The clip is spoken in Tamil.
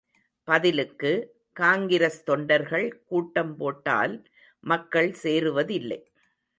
பதிலுக்கு, காங்கிரஸ் தொண்டர்கள் கூட்டம் போட்டால் மக்கள் சேருவதில்லை.